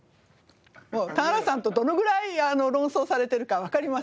田原さんとどのぐらい論争されているかわかりません。